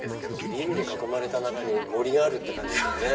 ビルに囲まれた中に森があるって感じですもんね。